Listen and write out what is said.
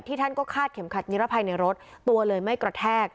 ท่านก็คาดเข็มขัดนิรภัยในรถตัวเลยไม่กระแทก